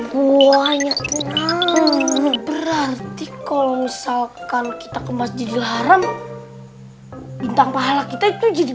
buahnya tenang berarti kalau misalkan kita kemas di haram bintang pahala kita itu jadi